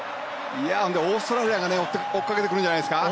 オーストラリアが追っかけてくるんじゃないですか。